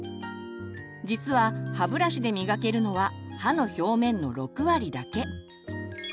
実は歯ブラシで磨けるのは歯の表面の６割だけ。